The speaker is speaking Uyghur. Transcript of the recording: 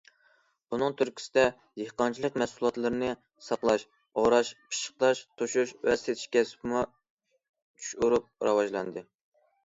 بۇنىڭ تۈرتكىسىدە، دېھقانچىلىق مەھسۇلاتلىرىنى ساقلاش، ئوراش، پىششىقلاش، توشۇش ۋە سېتىش كەسپىمۇ جۇش ئۇرۇپ راۋاجلاندى.